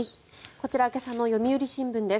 こちら今朝の読売新聞です。